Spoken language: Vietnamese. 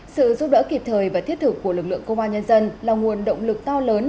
sự giúp đỡ kịp thời và thiết thực của lực lượng công an nhân dân là nguồn động lực to lớn